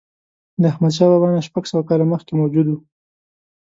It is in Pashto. د احمدشاه بابا نه شپږ سوه کاله مخکې موجود و.